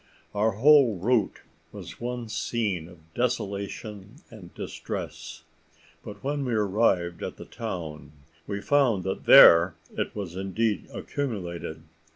Our whole route was one scene of desolation and distress; but when we arrived at the town, we found that there it was indeed accumulated.